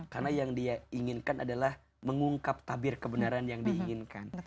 karena yang dia inginkan adalah mengungkap tabir kebenaran yang diinginkan